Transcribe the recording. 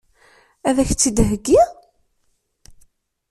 Ad k-tt-id-heggiɣ?